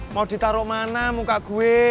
mau ditaruh mana muka gue